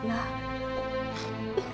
apa salah aku ma